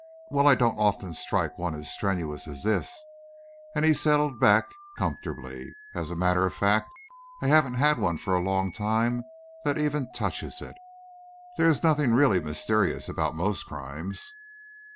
"Well, I don't often strike one as strenuous as this," and he settled back comfortably. "As a matter of fact, I haven't had one for a long time that even touches it. There is nothing really mysterious about most crimes."